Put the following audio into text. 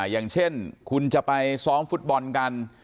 อย่างเช่นคุณจะไปซ้อมฟุตบอลกัน